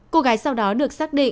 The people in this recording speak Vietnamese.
cô gái sau đó được xác định